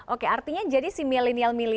oke artinya jadi si milenial milenial